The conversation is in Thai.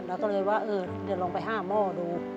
เราก็เลยว่าเออเดี๋ยวลองไปหาหม้อดู